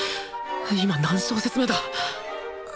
今何小節目だ！？